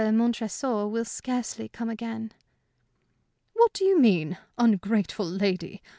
Montresor will scarcely come again." "What do you mean? Ungrateful lady!